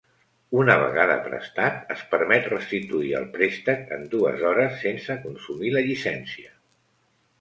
Una vegada prestat, es permet restituir el préstec en dues hores, sense consumir la llicència.